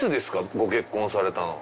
ご結婚されたのは。